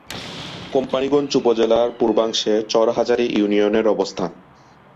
কোম্পানীগঞ্জ উপজেলার পূর্বাংশে চর হাজারী ইউনিয়নের অবস্থান।